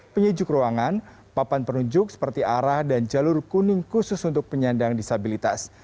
penyejuk ruangan papan penunjuk seperti arah dan jalur kuning khusus untuk penyandang disabilitas